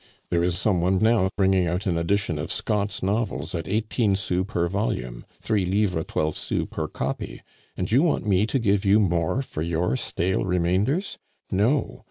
There is some one now bringing out an edition of Scott's novels at eighteen sous per volume, three livres twelve sous per copy, and you want me to give you more for your stale remainders? No.